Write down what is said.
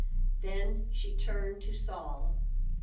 Then she turned to Saul.